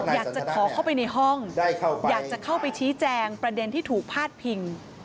อยากจะขอเข้าไปในห้องอยากจะเข้าไปชี้แจงประเด็นที่ถูกพาดพิง